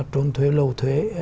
trốn thuế lầu thuế